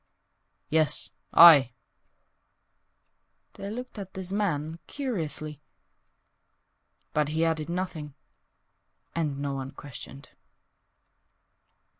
....... "Yes I" They looked at this man Curiously, But he added nothing, And no one questioned.